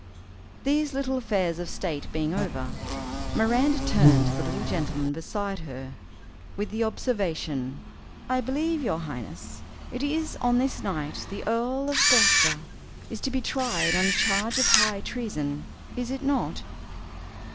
These little affairs of state being over, Miranda turned to the little gentleman beside her, with the observation, "I believe, your highness, it is on this night the Earl of Gloucester is to be tried on a charge of high treason, is it not?"